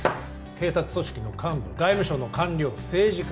警察組織の幹部外務省の官僚政治家